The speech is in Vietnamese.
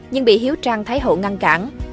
nhưng bị hiếu trang thái hộ ngăn cản